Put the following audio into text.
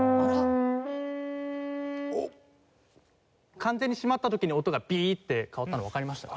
完全に閉まった時に音がビーッて変わったのわかりましたか？